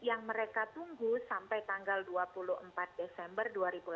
yang mereka tunggu sampai tanggal dua puluh empat desember dua ribu delapan belas